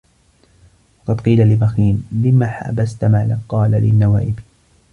وَقَدْ قِيلَ لِبَخِيلٍ لِمَ حَبَسْتَ مَالَك ؟ قَالَ لِلنَّوَائِبِ